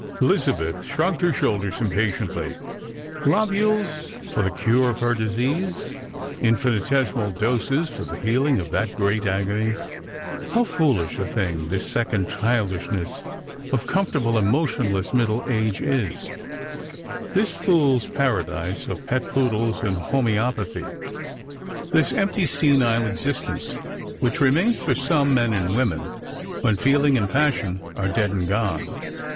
Elizabeth shrugged her shoulders impatiently; globules for the cure of her disease ! Infinitesimal doses for the healing of that great agony ! How foolish a thing this second childishness of comfortable emotionless middle age is ; this fools' paradise of pet poodles and homoeopathy ; this empty senile existence, which remains for some men and women, when feeling and passion are dead and gone